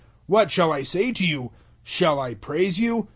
What shall I say to you? Shall I praise you?